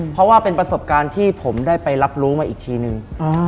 เพราะว่าเป็นประสบการณ์ที่ผมได้ไปรับรู้มาอีกทีนึง